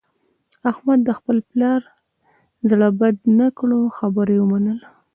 احمد د خپل پلار زړه بد نه کړ، خبره یې ومنله.